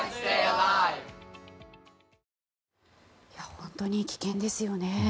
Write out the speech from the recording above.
本当に危険ですよね。